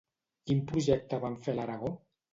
Quin projecte van fer a l'Aragó?